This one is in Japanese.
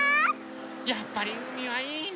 やっぱりうみはいいね。